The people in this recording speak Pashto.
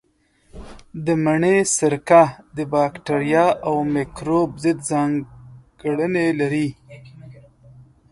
د مڼې سرکه د باکتریا او مېکروب ضد ځانګړنې لري.